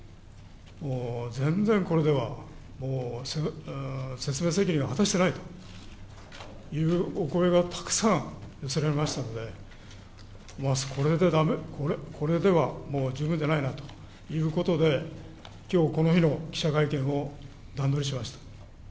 もう全然、これではもう説明責任を果たしてないというお声がたくさん寄せられましたので、これではもう十分じゃないなということで、きょう、この日の記者会見を段取りしました。